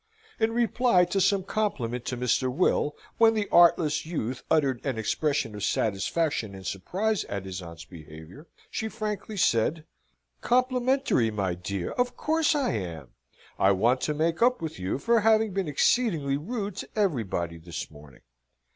In reply to some compliment to Mr. Will, when that artless youth uttered an expression of satisfaction and surprise at his aunt's behaviour, she frankly said: "Complimentary, my dear! Of course I am. I want to make up with you for having been exceedingly rude to everybody this morning.